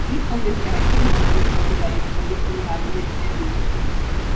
These comments were heavily frowned upon by his colleagues in Parliament and the media.